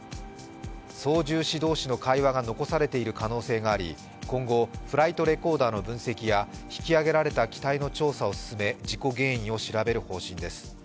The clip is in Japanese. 操縦士同士の会話が残されている可能性があり今後、フライトレコーダーの分析や引き揚げられた機体の調査を進め事故原因を調べる方針です。